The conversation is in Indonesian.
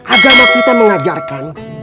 agama kita mengajarkan